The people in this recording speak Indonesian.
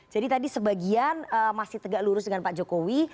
jadi tadi sebagian masih tegak lurus dengan pak jokowi